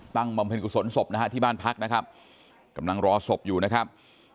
บำเพ็ญกุศลศพนะฮะที่บ้านพักนะครับกำลังรอศพอยู่นะครับ